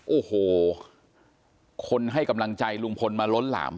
โอ้โหคนให้กำลังใจลุงพลมาล้นหลาม